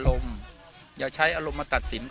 วันนี้ก็จะเป็นสวัสดีครับ